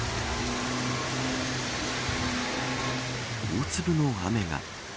大粒の雨が。